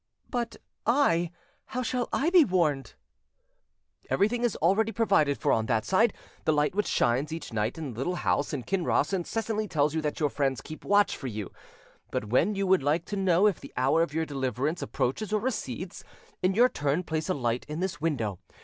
"But I, how shall I be warned?" "Everything is already provided for on that side: the light which shines each night in the little house in Kinross incessantly tells you that your friends keep watch for you; but when you would like to know if the hour of your deliverance approaches or recedes, in your turn place a light in this window.